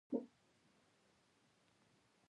وړتیا خپله د انسان ارزښت څرګندوي.